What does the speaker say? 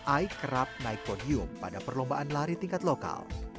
aik kerap naik podium pada perlombaan lari tingkat lokal